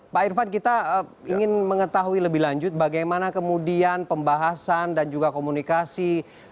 pak irfan kita ingin mengetahui lebih lanjut bagaimana kemudian pembahasan dan juga komunikasi